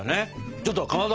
ちょっとかまど！